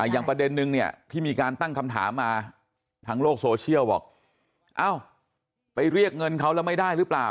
อย่างประเด็นนึงเนี่ยที่มีการตั้งคำถามมาทางโลกโซเชียลบอกเอ้าไปเรียกเงินเขาแล้วไม่ได้หรือเปล่า